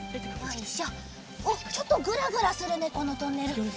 おっちょっとぐらぐらするねこのトンネル。